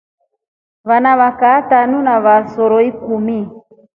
Vakilifu tanu na vakisero umi.